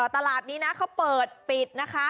ตลาดนี้นะเขาเปิดปิดนะคะ